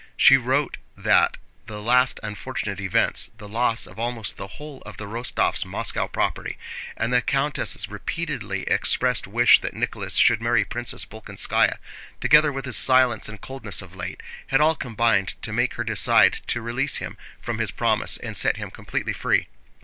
She wrote that the last unfortunate events—the loss of almost the whole of the Rostóvs' Moscow property—and the countess' repeatedly expressed wish that Nicholas should marry Princess Bolkónskaya, together with his silence and coldness of late, had all combined to make her decide to release him from his promise and set him completely free.